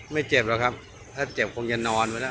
ไม่เจ็บหรอกครับถ้าเจ็บคงจะนอนไปแล้ว